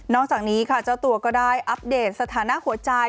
จากนี้ค่ะเจ้าตัวก็ได้อัปเดตสถานะหัวใจ